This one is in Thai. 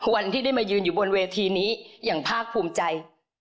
วันที่ได้มายืนอยู่บนเวทีนี้อย่างภาคภูมิใจ